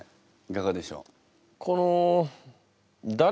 いかがでしょう？